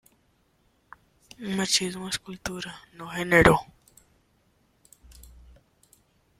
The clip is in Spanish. Machismo es cultura no género